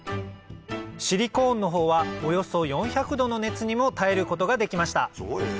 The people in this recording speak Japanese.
シリコーンの方はおよそ４００℃の熱にも耐えることができました